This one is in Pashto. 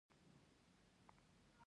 په خطبه کې د مقتدیانو له غفلته شکایت کاوه.